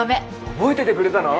覚えててくれたの？